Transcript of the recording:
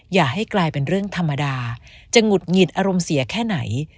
อย่าให้กลายเป็นเรื่องธรรมดาจะหงุดหงิดอารมณ์เสียแค่ไหน